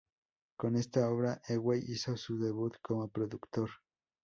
Con esta obra, Ewell hizo su debut como productor.